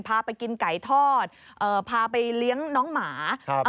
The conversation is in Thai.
พาไปกินไก่ทอดพาไปเลี้ยงน้องหมาครับ